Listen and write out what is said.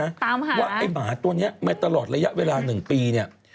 ตามหาว่าไอ้หมาตัวนี้มาตลอดระยะเวลาหนึ่งปีเนี่ย